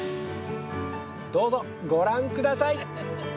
どうぞご覧下さい。